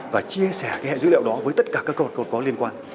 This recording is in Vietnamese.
và chia sẻ cái hệ dữ liệu đó với tất cả các cơ quan có liên quan